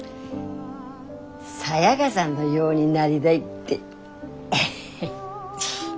サヤカさんのようになりだいって。